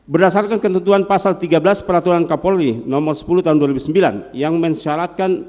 berdasarkan ketentuan pasal tiga belas peraturan kapolri nomor sepuluh tahun dua ribu sembilan yang mensyaratkan